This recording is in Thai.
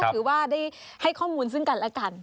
ถือว่าได้ให้ข้อมูลซึ่งกันและกัน